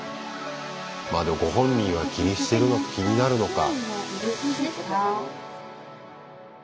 まあでもご本人は気にして気になるのか。